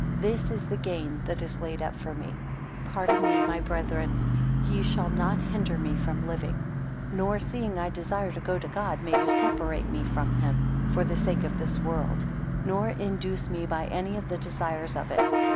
This is the gain that is laid up for me. 15 Pardon me, my brethren, ye shall not hinder me from living; nor seeing I desire to go to God, may you separate me from him, for the sake of this world; nor induce me by any of the desires of it.